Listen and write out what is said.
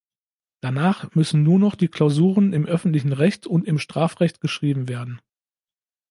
Danach müssen nur noch die Klausuren im öffentlichen Recht und im Strafrecht geschrieben werden.